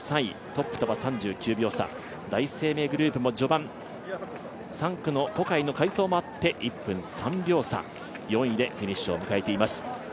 トップとは３９秒差、第一生命グループも序盤、３区の小海の快走もあって１分３秒差、４位でフィニッシュを迎えています。